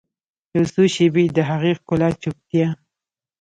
یوڅو شیبې د هغې ښکلې چوپتیا